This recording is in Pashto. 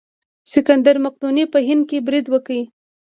سکندر مقدوني په هند برید وکړ.